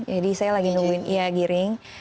jadi saya lagi menunggu giring